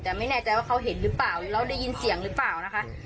แต่ไม่แน่ใจว่าเขาเห็นหรือเปล่าหรือเราได้ยินเสียงหรือเปล่านะคะ